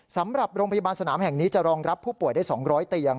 สำหรับโรงพยาบาลสนามแห่งนี้จะรองรับผู้ป่วยได้๒๐๐เตียง